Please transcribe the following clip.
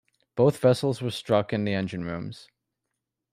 Both vessels were struck in the engine rooms.